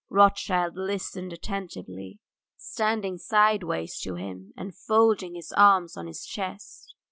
Rothschild listened attentively, standing sideways to him and folding his arms on his chest.